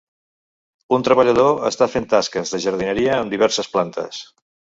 Un treballador està fent tasques de jardineria amb diverses plantes.